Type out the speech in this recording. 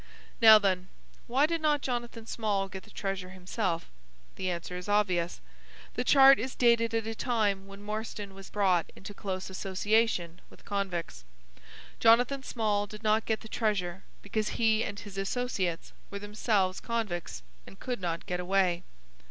Now, then, why did not Jonathan Small get the treasure himself? The answer is obvious. The chart is dated at a time when Morstan was brought into close association with convicts. Jonathan Small did not get the treasure because he and his associates were themselves convicts and could not get away."